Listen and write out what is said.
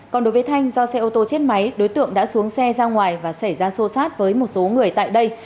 còn đối với thanh do xe ô tô chết máy đối tượng đã xuống xe ra ngoài và xảy ra xô xát với một số người tại đây